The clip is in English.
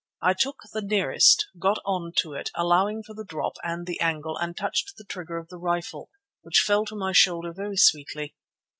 I took the nearest, got on to it, allowing for the drop and the angle, and touched the trigger of the rifle, which fell to my shoulder very sweetly.